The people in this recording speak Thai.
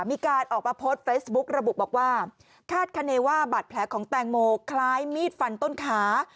มีการออกมาโพสต์เฟซบุ๊กระบุบอกว่าคาดคณีว่าบาดแผลของแตงโมคล้ายมีดฟันต้นขา